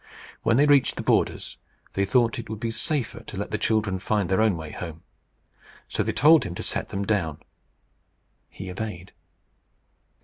When they reached the borders, they thought it would be safer to let the children find their own way home. So they told him to set them down. He obeyed.